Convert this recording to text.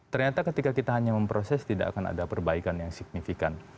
ternyata ketika kita hanya memproses tidak akan ada perbaikan yang signifikan